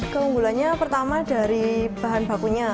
keunggulannya pertama dari bahan bakunya